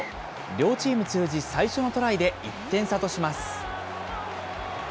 両チーム通じ、最初のトライで１点差とします。